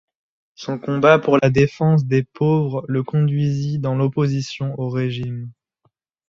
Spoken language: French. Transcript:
Son combat pour la défense des pauvres le conduisit dans l'opposition au régime.